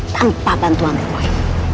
tanpa bantuan roy